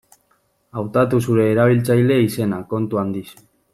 Hautatu zure erabiltzaile-izena kontu handiz.